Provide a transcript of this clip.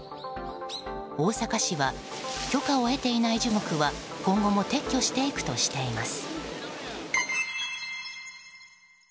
大阪市は許可を得ていない樹木は今後も撤去していくとしています。